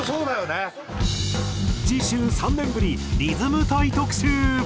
次週３年ぶりリズム隊特集！